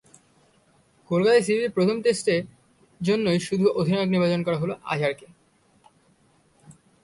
কলকাতায় সিরিজের প্রথম টেস্টের জন্যই শুধু অধিনায়ক নির্বাচিত করা হলো আজহারকে।